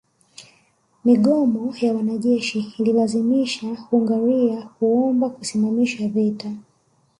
Migomo ya wanajeshi ililazimisha Hungaria kuomba kusimamisha vita